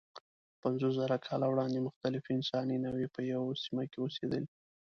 پنځوسزره کاله وړاندې مختلفې انساني نوعې په یوه سیمه کې اوسېدلې.